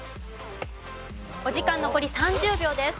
お時間残り３０秒です。